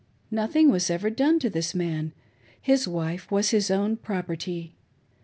Nothing was ever done to this man — his wife was his own property.